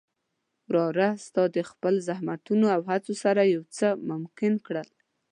وروره! ستا د خپل زحمتونو او هڅو سره هر څه ممکن کړل.